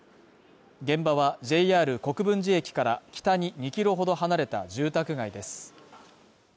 現場はＪＲ国分寺駅から北に２キロほど離れた住宅街です。